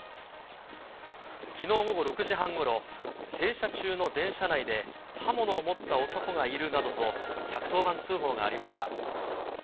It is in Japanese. きのう午後６時半ごろ、停車中の電車内で刃物を持った男がいるなどと、１１０番通報がありました。